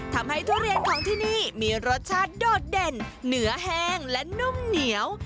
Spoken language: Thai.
ทุเรียนของที่นี่มีรสชาติโดดเด่นเนื้อแห้งและนุ่มเหนียว